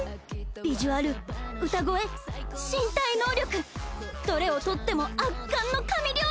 ビジュアル歌声身体能力どれをとっても圧巻の神領域！